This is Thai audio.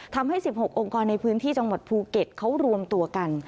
๑๖องค์กรในพื้นที่จังหวัดภูเก็ตเขารวมตัวกัน